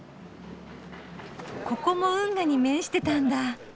ここも運河に面してたんだ。